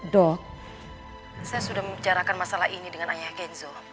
dok saya sudah membicarakan masalah ini dengan ayah kenzo